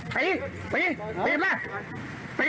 ตายเลย